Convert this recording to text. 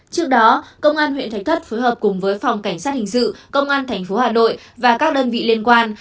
trước đó công an huyện thạch thất phối hợp cùng với phòng cảnh sát hình sự công an tp hà nội và các đơn vị liên quan